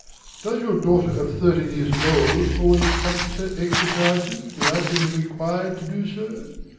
Does your daughter of thirteen years old always practise her exercises without being required to do so?